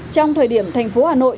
trong thời điểm thành phố hà nội